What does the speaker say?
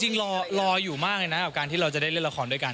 จริงรออยู่มากเลยนะกับการที่เราจะได้เล่นละครด้วยกัน